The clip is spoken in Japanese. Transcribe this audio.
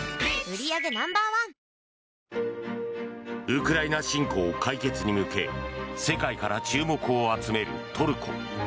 ウクライナ侵攻解決に向け世界から注目を集めるトルコ。